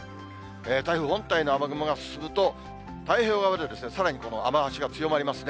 台風本体の雨雲が進むと、太平洋側でさらにこの雨足が強まりますね。